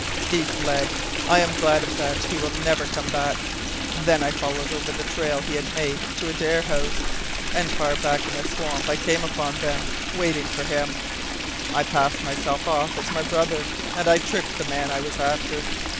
He fled. I am glad of that. He will never come back. Then I followed over the trail he had made to Adare House, and far back in the swamp I came upon them, waiting for him. I passed myself off as my brother, and I tricked the man I was after.